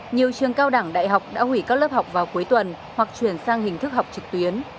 nhiều trường cao đẳng đại học đã hủy các lớp học vào cuối tuần hoặc chuyển sang hình thức học trực tuyến